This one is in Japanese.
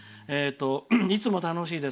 「いつも楽しいです。